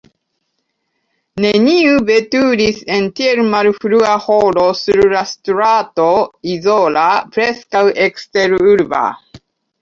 Neniu veturis en tiel malfrua horo sur la strato izola, preskaŭ eksterurba.